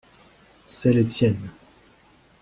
C’est les tiennes.